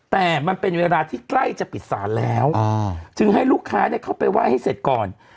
แต่มันเป็นเวลาที่ใกล้จะปิดศาลแล้วจึงให้ลูกค้าเข้าไปไหว้ให้เสร็จก่อน